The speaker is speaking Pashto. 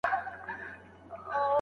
له لاسه ورکوي.